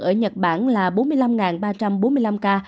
ở nhật bản là bốn mươi năm ba trăm bốn mươi năm ca